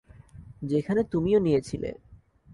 যেখানে তুমিও নিয়েছিলে।